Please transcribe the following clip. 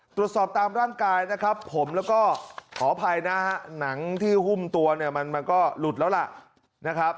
ตรวจสอบตามร่างกายนะครับผมแล้วก็ขออภัยนะหนังที่หุ้มตัวมันก็หลุดแล้วล่ะ